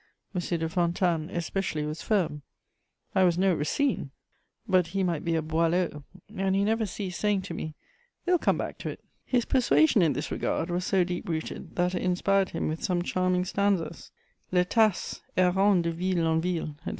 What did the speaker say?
de Fontanes especially was firm; I was no Racine, but he might be a Boileau, and he never ceased saying to me: "They'll come back to it." His persuasion in this regard was so deep rooted that it inspired him with some charming stanzas: Le Tasse, errant de ville en ville, etc.